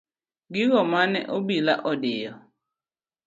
Gigo mane obila ondhiyo.